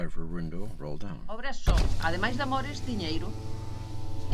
Obras son, ademais de amores, diñeiro.